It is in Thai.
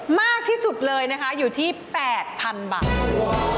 มากที่สุดเลยนะคะอยู่ที่๘๐๐๐บาท